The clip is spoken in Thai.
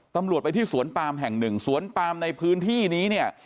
ตำรวจไปที่สวนปามแห่งหนึ่งสวนปามในพื้นที่นี้เนี่ย